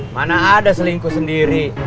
mana ada selingkuh sendiri